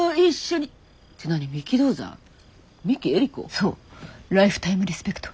そうライフタイムリスペクト。